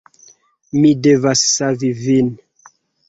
Mi devas savi vin